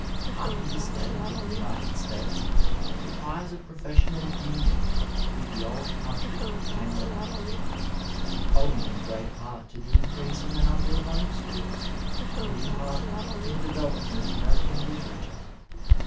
After this date in the United States the ties of professional union with the old country became relaxed, owing in great part to the increase in the number of home schools, and in part to the development of American literature.